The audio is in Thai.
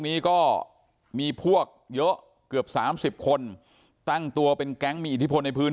นี้ก็มีพวกเยอะเกือบสามสิบคนตั้งตัวเป็นแก๊งมีอิทธิพลในพื้น